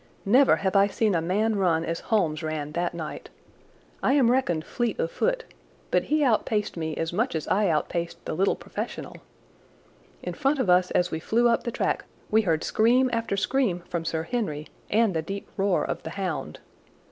Never have I seen a man run as Holmes ran that night. I am reckoned fleet of foot, but he outpaced me as much as I outpaced the little professional. In front of us as we flew up the track we heard scream after scream from Sir Henry and the deep roar of the hound.